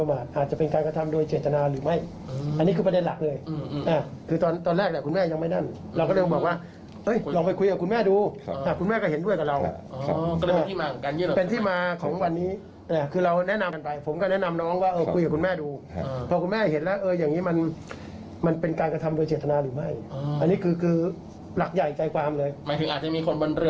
หมายถึงอาจจะมีคนบนเรือเจรตนาให้เป็นอย่างนี้